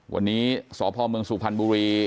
วันนี้สพเมืองสุพรรณบุรี